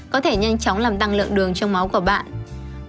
có thể nhanh chóng làm tăng lượng đường trong máu của bạn